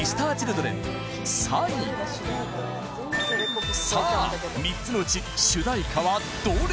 「Ｓｉｇｎ」さあ３つのうち主題歌はどれ？